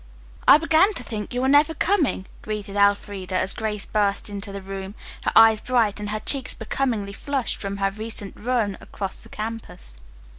"I began to think you were never coming," greeted Elfreda, as Grace burst into the room, her eyes bright and her cheeks becomingly flushed from her recent run across the campus.